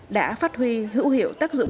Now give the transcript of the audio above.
đã phát huy hữu hiệu tác dụng